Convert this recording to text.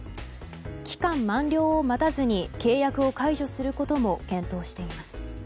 期間満了を待たずに契約を解除することも検討しています。